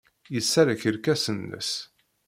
Yessarreq irkasen-nnes.